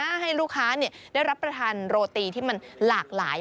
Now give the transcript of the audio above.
แล้วเมื่อกี้ลูกค้าได้รับประทานโรตีที่มันหลากหลาย